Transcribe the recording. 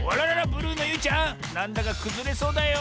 ブルーのゆいちゃんなんだかくずれそうだよ。